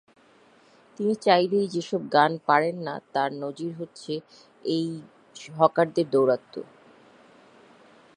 তিনি চাইলেই যেসব পারেন না, তার নজির হচ্ছে এই হকারদের দৌরাত্ম্য।